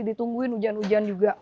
ditungguin hujan hujan juga